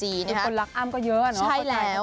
อีกคนรักอ้ำก็เยอะอ่ะเนอะใช่แล้ว